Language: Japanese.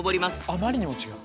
あまりにも違う。